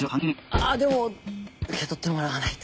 あっでも受け取ってもらわないと。